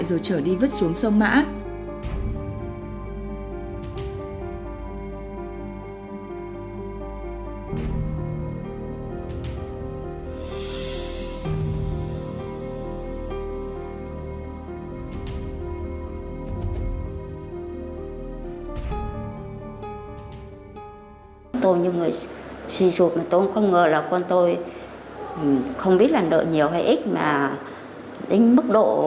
rồi trở đi vứt xuống sông mã